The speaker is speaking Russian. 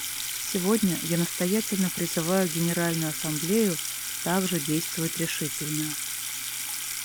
Сегодня я настоятельно призываю Генеральную Ассамблею также действовать решительно.